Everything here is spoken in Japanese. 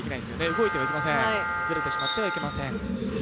動いてはいけません、ずれてしまってはいけません。